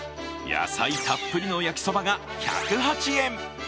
野菜たっぷりの焼きそばが１０８円。